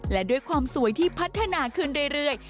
และด้วยความสวยที่พัฒนาขึ้นเรื่อย